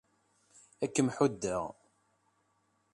Ad kem-ḥuddeɣ.